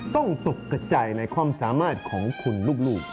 ตกกระจายในความสามารถของคุณลูก